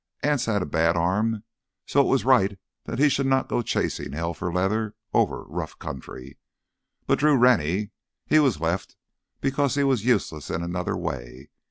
Anse had a bad arm, so it was right that he should not go chasing hell for leather over rough country. But Drew Rennie—he was left because he was useless in another way.